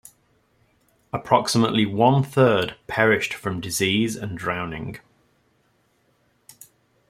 Approximately one-third perished from disease and drowning.